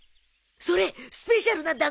それスペシャルな団子か？